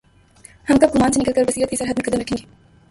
ہم کب گمان سے نکل کربصیرت کی سرحد میں قدم رکھیں گے؟